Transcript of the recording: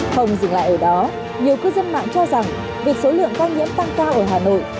không dừng lại ở đó nhiều cư dân mạng cho rằng việc số lượng ca nhiễm tăng cao ở hà nội